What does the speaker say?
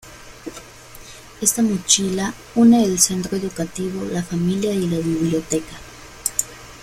Esta mochila une el centro educativo, la familia y la biblioteca.